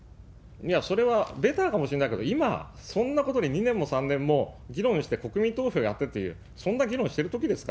いや、それはベターかもしれないけど、今、そんなことに２年も３年も議論して国民投票やってって、そんな議論してるときですか？